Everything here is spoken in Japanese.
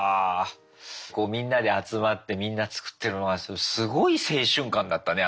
こうみんなで集まってみんな作ってるのはすごい青春感だったね